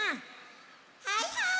はいはい！